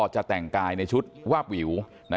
จะแต่งกายในชุดวาบวิว